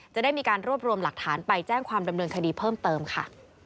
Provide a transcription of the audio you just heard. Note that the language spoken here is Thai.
จะได้มีการรวบรวมหลักฐานไปแจ้งความดำเนินคดีเพิ่มเติมค่ะ